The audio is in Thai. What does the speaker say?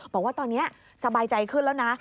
บอกว่าตอนนี้สบายใจขึ้นแล้วนะ